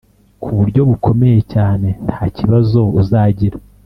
kuburyo bukomeye cyane ntakibazo uzagira”